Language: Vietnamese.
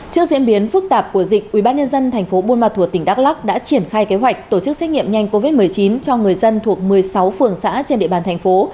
trước diễn biến phức tạp của dịch ubnd tp buôn ma thuột tỉnh đắk lắc đã triển khai kế hoạch tổ chức xét nghiệm nhanh covid một mươi chín cho người dân thuộc một mươi sáu phường xã trên địa bàn thành phố